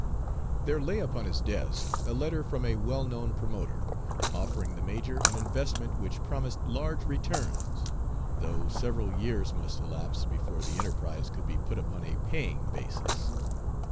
There lay upon his desk a letter from a well known promoter, offering the major an investment which promised large returns, though several years must elapse before the enterprise could be put upon a paying basis.